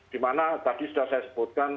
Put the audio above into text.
dimana tadi sudah saya sebutkan